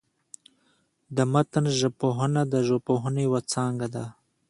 د متن ژبپوهنه، د ژبپوهني یوه څانګه ده.